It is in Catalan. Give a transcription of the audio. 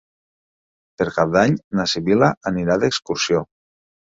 Per Cap d'Any na Sibil·la anirà d'excursió.